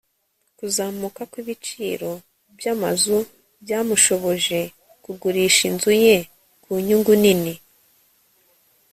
kuzamuka kw'ibiciro byamazu byamushoboje kugurisha inzu ye ku nyungu nini